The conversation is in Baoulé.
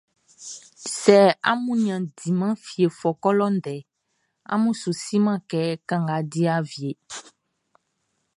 Sɛ amun nin a diman fie fɔkɔ lɔ deʼn, amun su siman kɛ kanga di awieʼn.